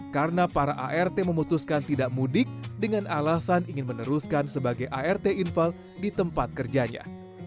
karena para art memutuskan tidak mudik dengan alasan ingin meneruskan sebagai art infal di tempat kerjanya